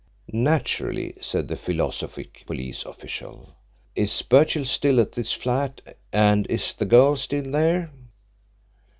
"Naturally," said the philosophic police official. "Is Birchill still at this flat and is the girl still there?"